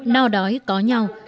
no đói có nhau